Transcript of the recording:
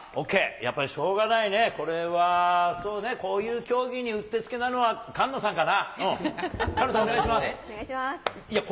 やっぱりしょうがないね、これはそうね、こういう競技にうってつけなのは菅野さんかな。